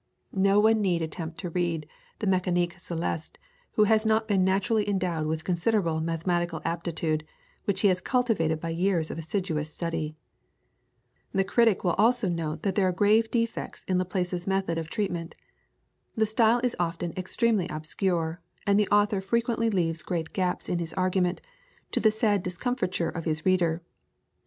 No one need attempt to read the "Mecanique Celeste" who has not been naturally endowed with considerable mathematical aptitude which he has cultivated by years of assiduous study. The critic will also note that there are grave defects in Laplace's method of treatment. The style is often extremely obscure, and the author frequently leaves great gaps in his argument, to the sad discomfiture of his reader.